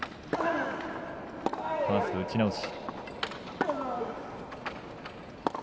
ファースト、打ち直し。